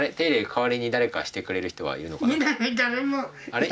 代わりに誰かしてくれる人はいるのかな？